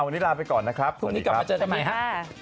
วันนี้ลาไปก่อนนะครับพรุ่งนี้กลับมาเจอกันใหม่ครับ